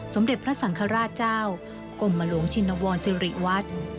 สมเด็จพระสังฆราชเจ้ากรมหลวงชินวรสิริวัฒน์